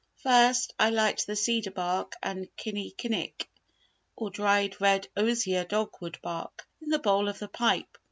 "First I light the cedar bark and kinnikinick, or dried red ozier dogwood bark, in the bowl of the pipe.